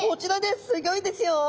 すギョいですよ。